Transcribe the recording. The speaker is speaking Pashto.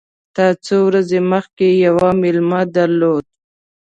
تا څو ورځي مخکي یو مېلمه درلود !